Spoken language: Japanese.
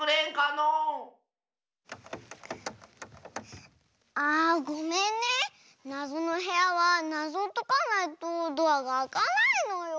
なぞのへやはなぞをとかないとドアがあかないのよ。